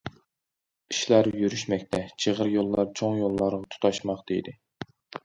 ئىشلار يۈرۈشمەكتە، چىغىر يوللار چوڭ يوللارغا تۇتاشماقتا ئىدى.